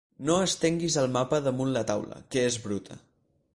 No estenguis el mapa damunt la taula, que és bruta.